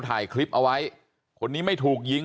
บอกแล้วบอกแล้วบอกแล้ว